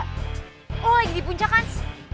oh lagi di puncak kan